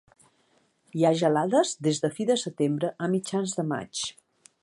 Hi ha gelades des de fi de setembre a mitjans de maig.